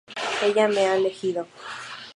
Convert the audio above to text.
Ella me ha elegido.